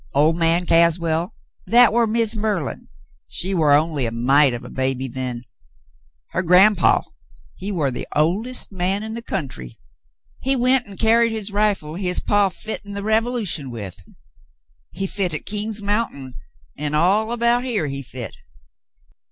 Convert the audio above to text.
01' man Caswell — that war Miz Merlin — she war only a mite of a baby then — her gran' paw, he war the oldest man in th' country ; he went an' carried his rifle his paw fit in th' Revolution with. He fit at King's Mountain, an' all about here he fit."